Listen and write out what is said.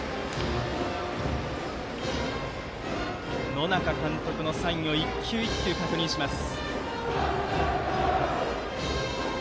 野仲監督のサインを１球１球確認します。